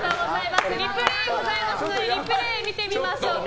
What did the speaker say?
リプレイ見てみましょう。